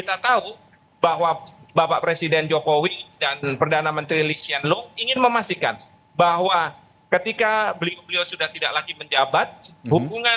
dan kemudian bisa dimasuk dalam level yang lebih tinggi daripada yang sekarang